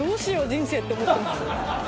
人生って思ってます。